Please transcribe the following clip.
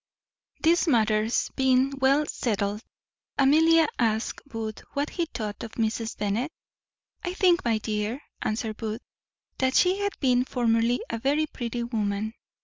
These matters being well settled, Amelia asked Booth what he thought of Mrs. Bennet? "I think, my dear," answered Booth, "that she hath been formerly a very pretty woman."